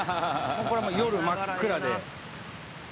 「これもう夜真っ暗で」